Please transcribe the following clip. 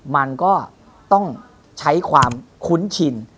มันก็ต้องใช้ความคุ้นชิน